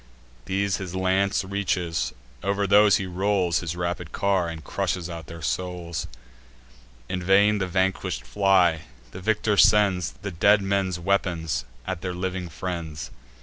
These his lance reaches; over those he rolls His rapid car, and crushes out their souls: In vain the vanquish'd fly; the victor sends The dead men's weapons at their living friends.